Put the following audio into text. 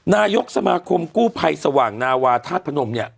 นายกสมาคมกู้ภัยสว่างนาวาธาตุพนมเนี่ย